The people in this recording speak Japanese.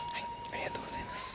ありがとうございます。